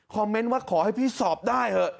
เมนต์ว่าขอให้พี่สอบได้เถอะ